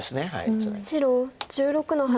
白１６の八ノビ。